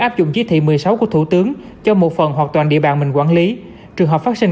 áp dụng chí thị một mươi sáu của thủ tướng cho một phần hoặc toàn địa bàn mình quản lý trường hợp phát sinh